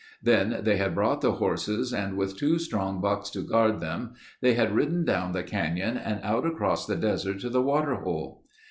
Then they had brought the horses and with two strong bucks to guard them, they had ridden down the canyon and out across the desert to the water hole.